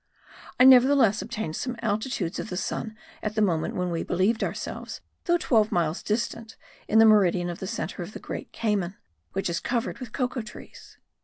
I nevertheless obtained some altitudes of the sun at the moment when we believed ourselves, though twelve miles distant, in the meridian of the centre of the Great Cayman, which is covered with cocoa trees.